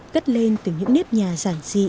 cất lên từ những nếp nhà giảng dị